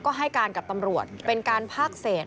ก็ให้การกับตำรวจเป็นการพากเศษ